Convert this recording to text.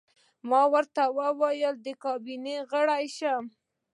ما ورته وویل: د کابینې غړی شوم.